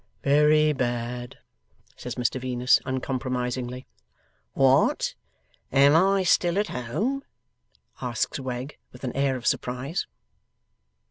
'Very bad,' says Mr Venus, uncompromisingly. 'What? Am I still at home?' asks Wegg, with an air of surprise.